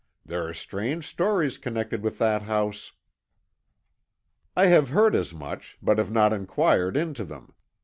There are strange stories connected with that house." "I have heard as much, but have not inquired into them.